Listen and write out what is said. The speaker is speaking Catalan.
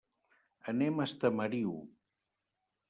Anem a Estamariu.